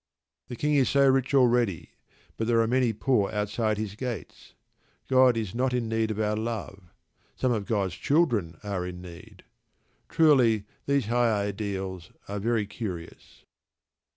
The king is so rich already: but there are many poor outside his gates. God is not in need of our love: some of God's children are in need. Truly, these high ideals are very curious.